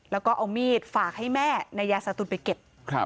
แล้วก็เอามีดฝากให้แม่นายยาสตูนไปเก็บ